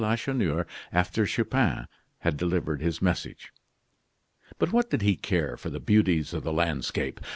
Lacheneur after Chupin had delivered his message. But what did he care for the beauties of the landscape!